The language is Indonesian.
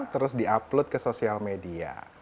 terus di upload ke sosial media